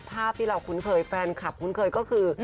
ภาพที่เราคุ้นเคยแฟนคลับคุ้นเคยก็คือ